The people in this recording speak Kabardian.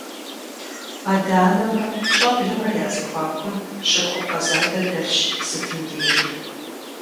Адэ-анэмрэ щӀэблэмрэ я зэхуакум щыхупӀэ задэ дэлъщ сытым дежи.